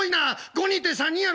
５人って３人やろ！